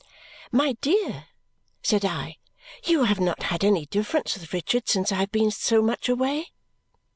"My dear," said I, "you have not had any difference with Richard since I have been so much away?"